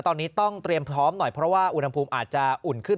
ตอนนี้ต้องเตรียมพร้อมหน่อยเพราะว่าอุณหภูมิอาจจะอุ่นขึ้น